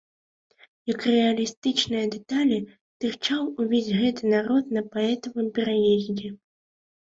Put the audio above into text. Як рэалістычныя дэталі, тырчаў увесь гэты народ на паэтавым пераездзе.